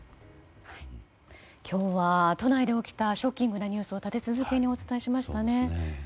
今日は都内で起きたショッキングなニュースを立て続けにお伝えしましたね。